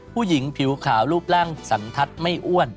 ผิวขาวรูปร่างสันทัศน์ไม่อ้วน